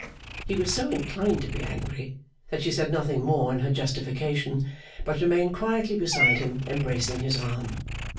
He was so inclined to be angry that she said nothing more in her justification, but remained quietly beside him embracing his arm.